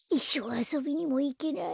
あそびにもいけない。